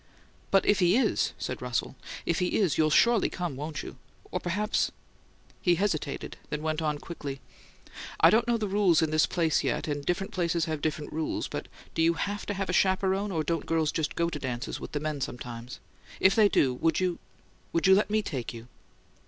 "But if he is?" said Russell. "If he is you'll surely come, won't you? Or, perhaps " He hesitated, then went on quickly, "I don't know the rules in this place yet, and different places have different rules; but do you have to have a chaperone, or don't girls just go to dances with the men sometimes? If they do, would you would you let me take you?"